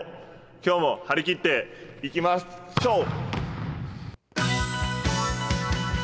今日も張り切っていきましょう。